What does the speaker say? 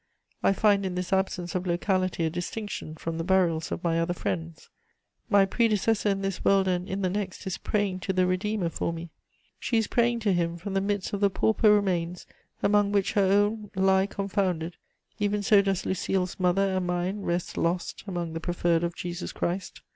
I find in this absence of locality a distinction from the burials of my other friends. My predecessor in this world and in the next is praying to the Redeemer for me; she is praying to Him from the midst of the pauper remains among which her own lie confounded: even so does Lucile's mother and mine rest lost among the preferred of Jesus Christ.